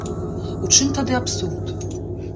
У чым тады абсурд?